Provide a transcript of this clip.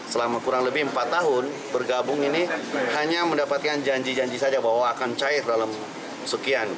selama kurang lebih empat tahun bergabung ini hanya mendapatkan janji janji saja bahwa akan cair dalam sekian